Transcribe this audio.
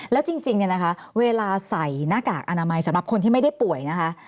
แล้วจริงเนี่ยนะคะเวลาใส่หน้ากากอนามัยสำหรับคนที่ไม่ได้ป่วยนะคะ